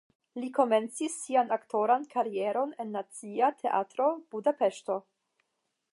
Li komencis sian aktoran karieron en Nacia Teatro (Budapeŝto).